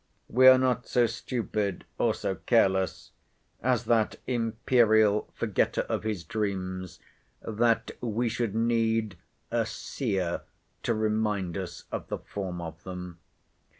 We are not so stupid, or so careless, as that Imperial forgetter of his dreams, that we should need a seer to remind us of the form of them.